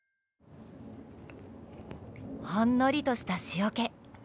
ほんのりとした塩け。